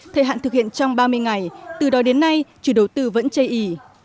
thời hạn thực hiện trong ba mươi ngày từ đó đến nay chủ đầu tư vẫn chây ý